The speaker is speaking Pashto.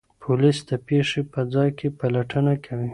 پولیس د پېښې په ځای کې پلټنه کوي.